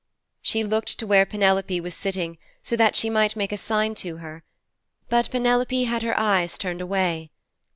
She looked to where Penelope was sitting, so that she might make a sign to her. But Penelope had her eyes turned away.